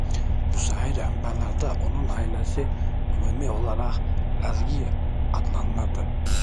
Müasir mənbələrdə onun əhalisi ümumi olaraq "Ləzgi" adlanırdı.